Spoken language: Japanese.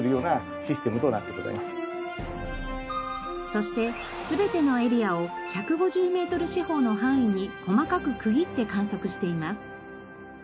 そして全てのエリアを１５０メートル四方の範囲に細かく区切って観測しています。